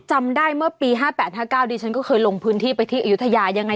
ทำได้เมื่อปีห้าแปดห้าเก้าดีฉันก็เคยลงพื้นที่ไปที่อยุธยายังไง